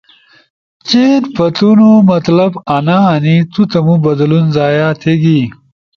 چئین پھتونو مطلب انا ہنی تو تمو بدلون ضائع تھیگی